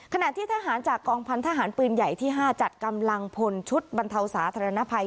ขณะที่ทหารจากกองพันธหารปืนใหญ่ที่๕จัดกำลังพลชุดบรรเทาสาธารณภัย